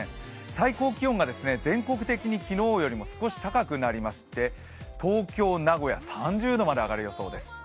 最高気温が全国的に昨日よりも少し高くなりまして、東京、名古屋、３０度まで上がる予想です。